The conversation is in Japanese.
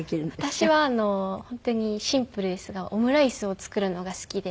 私は本当にシンプルですがオムライスを作るのが好きで。